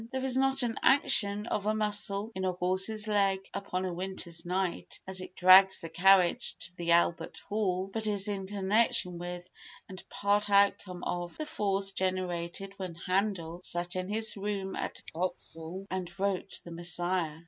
There is not an action of a muscle in a horse's leg upon a winter's night as it drags a carriage to the Albert Hall but is in connection with, and part outcome of, the force generated when Handel sat in his room at Gopsall and wrote the Messiah.